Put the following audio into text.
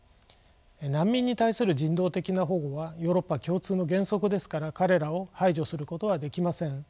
難民に対する人道的な保護はヨーロッパ共通の原則ですから彼らを排除することはできません。